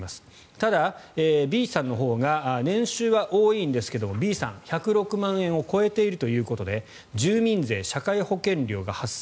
ただ、Ｂさんのほうが年収は多いんですけれどもＢさん、１０６万円を超えているということで住民税、社会保険料が発生。